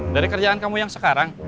dari kerjaan kamu yang sekarang